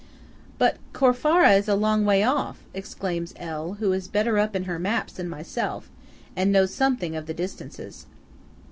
"But Corfara is a long way off!" exclaims L., who is better up in her maps than myself, and knows something of the distances.